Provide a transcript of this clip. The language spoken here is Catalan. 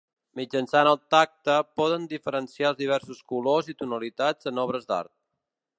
Mitjançant el tacte poden diferenciar els diversos colors i tonalitats en obres d'art.